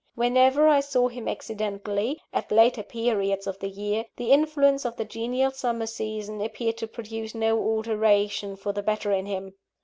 Whenever I saw him accidentally, at later periods of the year, the influence of the genial summer season appeared to produce no alteration for the better in him.